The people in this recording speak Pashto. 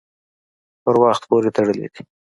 په وخت پورې تړلي دي.